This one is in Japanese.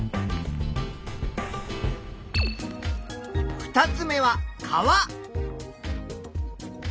２つ目は川。